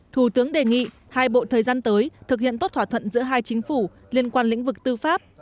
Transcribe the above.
thủ tướng đề nghị hai bộ thời gian tới thực hiện tốt thỏa thuận giữa hai chính phủ liên quan lĩnh vực tư pháp